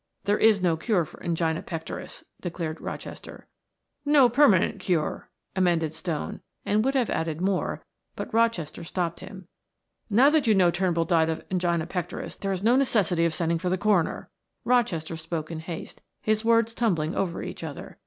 "There is no cure for angina pectoris," declared Rochester. "No permanent cure," amended Stone, and would have added more, but Rochester stopped him. "Now that you know Turnbull died of angina pectoris there is no necessity of sending for the coroner," Rochester spoke in haste, his words tumbling over each other.